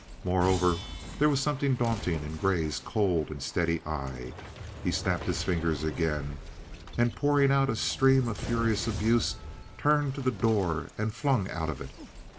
Moreover, there was something daunting in Grey's cold and steady eye. He snapped his fingers again, and, pouring out a stream of furious abuse, turned to the door and flung out of it.